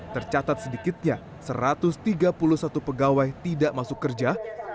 tercatat sedikitnya satu ratus tiga puluh satu pegawai tidak masuk kerja